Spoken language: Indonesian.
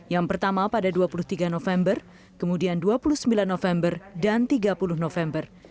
yang pertama pada dua puluh tiga november kemudian dua puluh sembilan november dan tiga puluh november